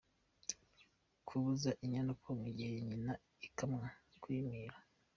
Kubuza inyana konka igihe nyina ikamwa : Kwimira.